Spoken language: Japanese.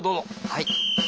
はい。